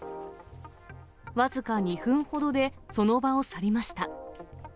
僅か２分ほどで、その場を去りました。